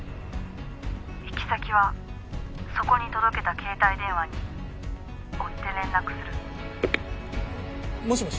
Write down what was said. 「行き先はそこに届けた携帯電話に追って連絡する」もしもし？もしもし！